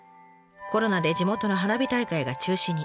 コロナで地元の花火大会が中止に。